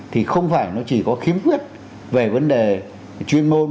thì không phải nó chỉ có khiếm khuyết về vấn đề chuyên môn